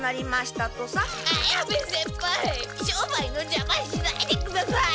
綾部先輩商売のじゃましないでください！